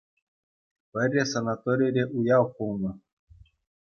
Пӗрре санаторире уяв пулнӑ.